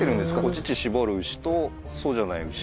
お乳搾る牛とそうじゃない牛